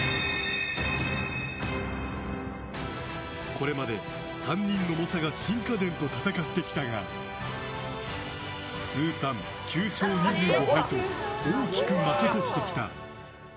これまで３人の猛者が新家電と戦ってきたが通算９勝２５敗と大きく負け越してきた。